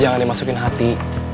jangan dimasukin hati